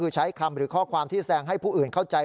ใช้คำหรือข้อความที่แสดงให้ผู้อื่นเข้าใจ